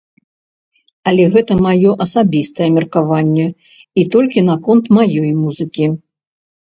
Але гэта маё асабістае меркаванне і толькі наконт маёй музыкі.